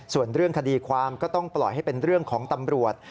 ส่วนเรื่องคดีความก็ต้องปล่อยให้เป็นเรื่องของตำรวจ